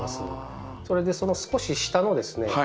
それでその少し下のですね